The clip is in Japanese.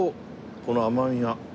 この甘みが。